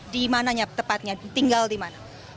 dimananya tepatnya tinggal dimana